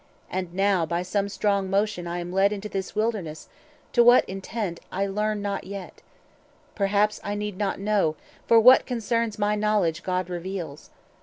And now by some strong motion I am led 290 Into this wilderness; to what intent I learn not yet. Perhaps I need not know; For what concerns my knowledge God reveals."